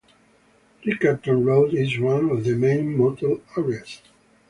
Riccarton Road is one of the main motel areas.